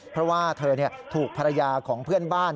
เพราะว่าเธอถูกภรรยาของเพื่อนบ้าน